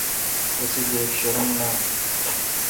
رسے گیبہ شروم نان۔